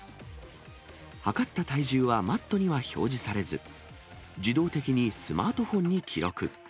測った体重は、マットには表示されず、自動的にスマートフォンに記録。